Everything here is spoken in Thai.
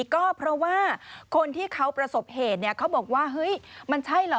ก็เพราะว่าคนที่เขาประสบเหตุเขาบอกว่าเฮ้ยมันใช่เหรอ